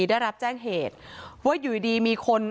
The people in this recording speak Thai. ได้รับแจ้งเหตุว่าอยู่ดีมีคน